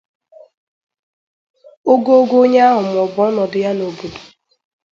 ogoogo onye ahụ maọbụ ọnọdụ ya n'obodo.